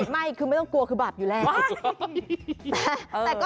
ไม่คือไม่ต้องกลัวคือบาปอยู่แล้ว